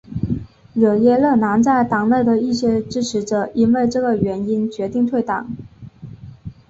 惹耶勒南在党内的一些支持者因为这个原因决定退党。